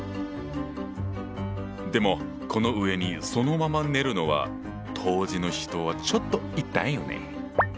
でもこの上にそのまま寝るのは当時の人はちょっと痛いよね。